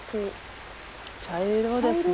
茶色ですね。